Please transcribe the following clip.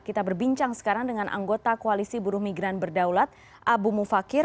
kita berbincang sekarang dengan anggota koalisi buruh migran berdaulat abu mufakir